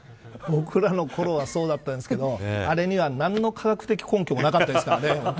僕らのころはそうだったですけどあれには何の科学的根拠はないですからね。